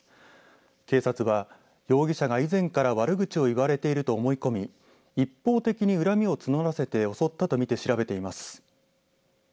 警察は、容疑者が以前から悪口を言われていると思い込み一方的に恨みを募らせて襲ったと見て調べています。